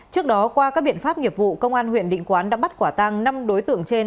trước đó qua các biện pháp nghiệp vụ công an huyện định quán đã bắt quả tăng năm đối tượng trên